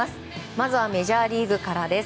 まずはメジャーリーグからです。